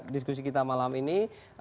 diskusi kita malam ini